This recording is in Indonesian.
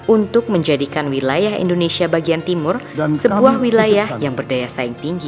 untuk menjadikan wilayah indonesia bagian timur sebuah wilayah yang berdaya saing tinggi